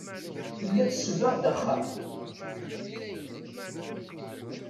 Tella tsebbeɣ-d axxam.